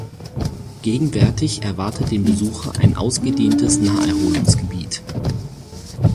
Gegenwärtig erwartet den Besucher ein ausgedehntes Naherholungsgebiet.